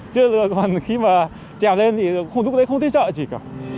chứ còn khi mà chèo lên thì lúc đấy không thấy sợ gì cả